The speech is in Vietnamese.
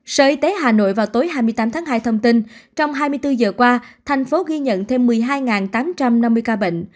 sở y tế hà nội vào tối hai mươi tám tháng hai thông tin trong hai mươi bốn giờ qua thành phố ghi nhận thêm một mươi hai tám trăm năm mươi ca bệnh